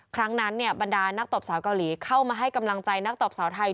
ครั้งนั้นบรรดานักตบสาวเกาหลีเข้ามาให้กำลังใจนักตบสาวไทย